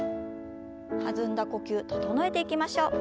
弾んだ呼吸整えていきましょう。